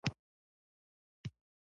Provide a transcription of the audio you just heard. ګل د طبیعت موسیقي ده.